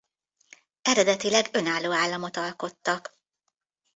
Eredetileg önálló államot alkottak.